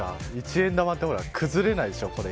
１円玉って崩れないでしょ。